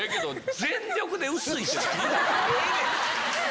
ええねん